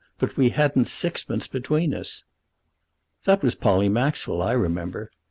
But we hadn't sixpence between us." "That was Polly Maxwell. I remember.